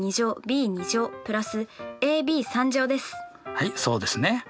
はいそうですね。